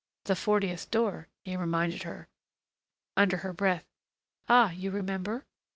"The fortieth door," he reminded her. Under her breath, "Ah, you remember?"